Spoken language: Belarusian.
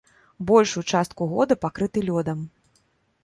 Большую частку года пакрыты лёдам.